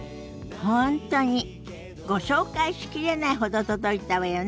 本当にご紹介しきれないほど届いたわよね。